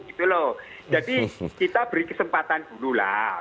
jadi kita beri kesempatan dulu lah